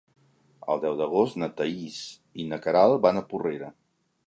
El deu d'agost na Thaís i na Queralt van a Porrera.